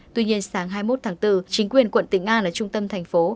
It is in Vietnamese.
tuy nhiên sáng hai mươi một tháng bốn chính quyền quận tỉnh an là trung tâm thành phố